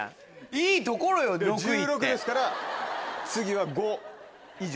いいところよ６位って。１６ですから次は５以上。